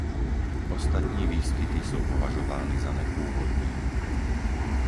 Ostatní výskyty jsou považovány za nepůvodní.